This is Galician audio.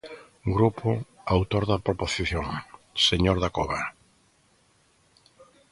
Grupo autor da proposición, señor Dacova.